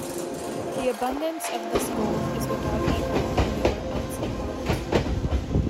The abundance of this gold is without equal anywhere else in the world.